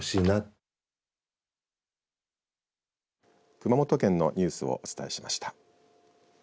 熊本県のニュースをお伝えしました。